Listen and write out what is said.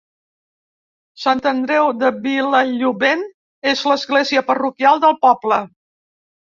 Sant Andreu de Vilallobent és l’església parroquial del poble.